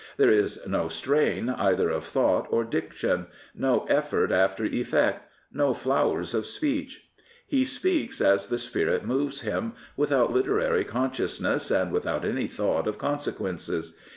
There is no strain either of thought or diction, no effort after effect, no flowers of speech. He speaks as the spirit moves him, without literary consciousness and without any thought of consequences.